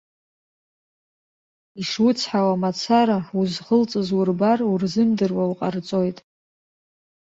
Ишуцҳауа мацара, узхылҵыз урбар урзымдыруа уҟарҵоит.